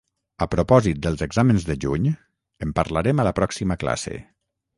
A propòsit dels exàmens de juny, en parlarem a la pròxima classe.